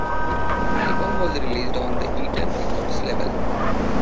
The album was released on the Eaton Records label.